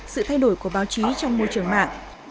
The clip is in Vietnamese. sự thay đổi của báo chí trong môi trường mạng